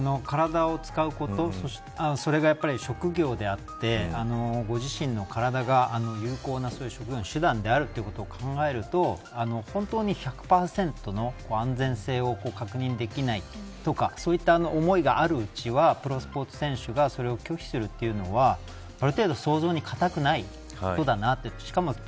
やっぱり、体を使うことそれが職業であってご自身の体が有効な職業の手段であるということを考えると本当に１００％の安全性を確認できないとかそういった思いがあるうちはプロスポーツ選手がそれを拒否するというのはある程度想像に難くないことだなと。